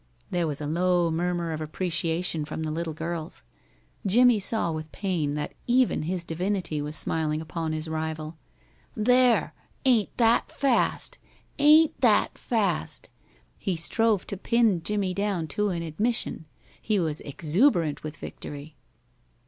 There was a low murmur of appreciation from the little girls. Jimmie saw with pain that even his divinity was smiling upon his rival. "There! Ain't that fast? Ain't that fast?" He strove to pin Jimmie down to an admission. He was exuberant with victory.